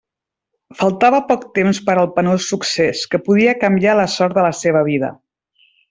Faltava poc temps per al penós succés, que podia canviar la sort de la seua vida.